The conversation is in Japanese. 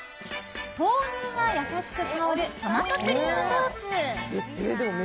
豆乳がやさしく香るトマトクリームソース。